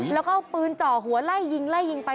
แล้วก็เอาปืนเจาะหัวไล่ยิงไป